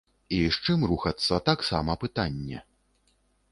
І з чым рухацца, таксама пытанне.